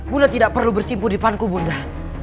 bunda tidak perlu bersimpu di depanku bunda